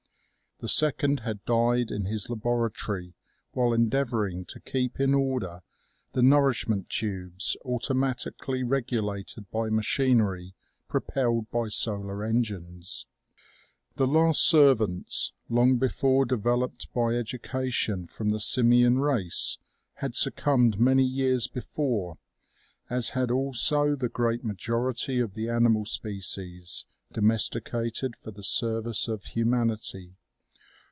The second had died in his labora tory while endeavoring to keep in order the nourish ment tubes, automatically regulated by machinery pro pelled by solar engines. The last servants, long before developed by educa tion from the simian race, had succumbed many years before, as had also the great majority of the animal species domesticated for the service of humanity.